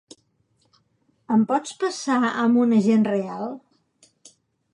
Em pots passar amb un agent real?